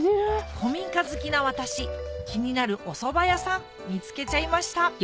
古民家好きな私気になるおそば屋さん見つけちゃいました